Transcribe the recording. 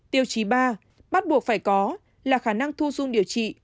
tiêu chí ba bắt buộc phải có là khả năng thu dung điều trị